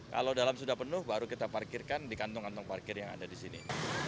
kalau dalam sudah penuh baru kita parkirkan di kantong kantong parkir yang ada di sini